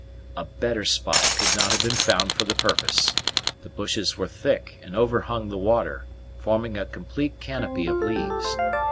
A better spot could not have been found for the purpose. The bushes were thick, and overhung the water, forming a complete canopy of leaves.